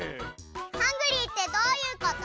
ハングリーってどういうこと？